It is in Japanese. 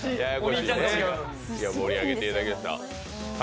盛り上げていただきました。